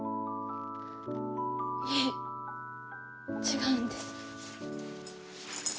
いえ違うんです。